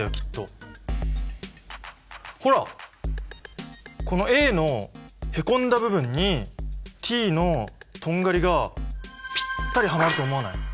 ほらこのＡのへこんだ部分にＴのとんがりがピッタリはまると思わない？